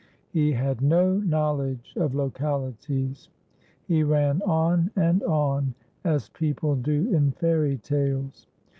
He had no knowledge of localities. He ran "on and on," as people do in fairy tales.